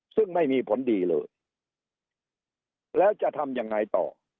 ซึ่งไม่มีผลดีเลยแล้วจะทำยังไงต่อ